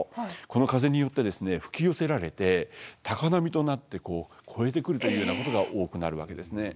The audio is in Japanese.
この風によって吹き寄せられて高波となってこう越えてくるというようなことが多くなるわけですね。